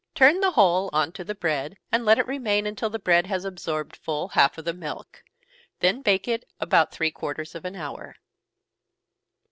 Turn the whole on to the bread, and let it remain until the bread has absorbed full half of the milk then bake it about three quarters of an hour.